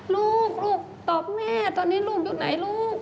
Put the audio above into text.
ลูกลูกตอบแม่ตอนนี้ลูกอยู่ไหนลูก